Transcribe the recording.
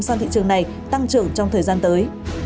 sang thị trường này tăng trưởng trong thời gian tới